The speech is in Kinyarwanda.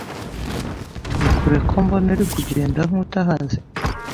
Ni kure kombona uri kugenda nkutahazi?